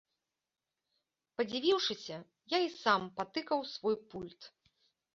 Падзівіўшыся, я і сам патыкаў у свой пульт.